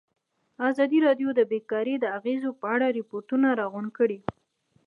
ازادي راډیو د بیکاري د اغېزو په اړه ریپوټونه راغونډ کړي.